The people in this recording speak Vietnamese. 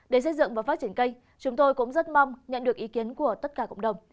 để xây dựng và phát triển cây chúng tôi cũng rất mong nhận được ý kiến của tất cả cộng đồng